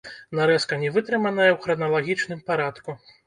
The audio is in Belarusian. Нарэзка не вытрыманая ў храналагічным парадку.